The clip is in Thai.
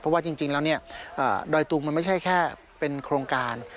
เพราะว่าจริงแล้วเนี่ยดอยตุงมันไม่ใช่แค่เป็นโครงการ